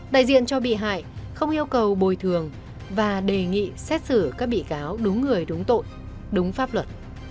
đại diện cho bị hại không yêu cầu bồi thường và đề nghị xét xử các bị cáo đúng người đúng tội đúng pháp luật